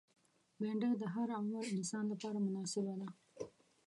بېنډۍ د هر عمر انسان لپاره مناسبه ده